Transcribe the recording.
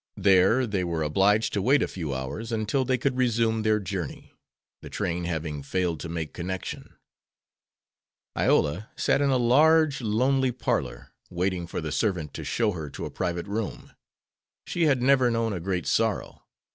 There they were obliged to wait a few hours until they could resume their journey, the train having failed to make connection. Iola sat in a large, lonely parlor, waiting for the servant to show her to a private room. She had never known a great sorrow.